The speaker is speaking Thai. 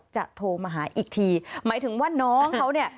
โทรมาหาอีกทีหมายถึงว่าน้องเขาเนี่ย